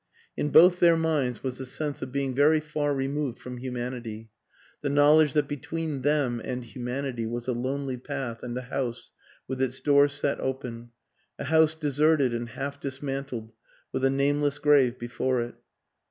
In both their minds was the sense of being very far removed from humanity, the knowledge that between them and humanity was a lonely path and a house with its doors set open a house deserted and half dismantled with a nameless grave before it.